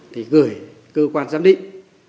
thì gửi cơ quan giám định